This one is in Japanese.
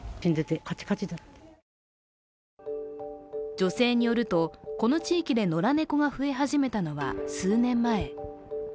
女性によると、この地域で野良猫が増え始めたのは数年前。